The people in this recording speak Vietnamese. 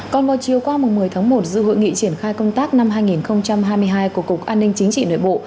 còn vào chiều qua một mươi tháng một dư hội nghị triển khai công tác năm hai nghìn hai mươi hai của cục an ninh chính trị nội bộ